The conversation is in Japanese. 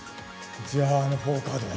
じゃああの４カードは？